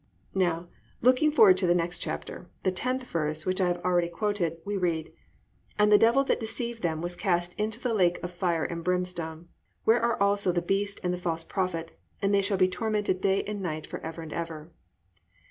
"+ Now looking forward to the next chapter, the 10th verse, which I have already quoted, we read: +"And the devil that deceived them was cast into the lake of fire and brimstone, where are also the beast and the false prophet, and they shall be tormented day and night for ever and ever."